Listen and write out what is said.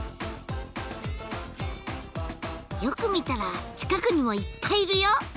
よく見たら近くにもいっぱいいるよ！